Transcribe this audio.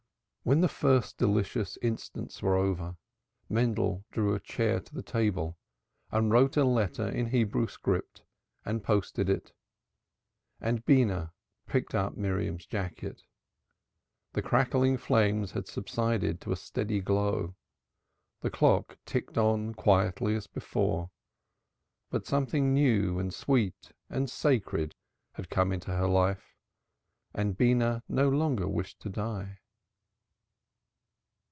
When the first delicious instants were over, Mendel drew a chair to the table and wrote a letter in Hebrew script and posted it and Beenah picked up Miriam's jacket. The crackling flames had subsided to a steady glow, the clock ticked on quietly as before, but something new and sweet and sacred had come into her life, and Beenah no longer wished to die.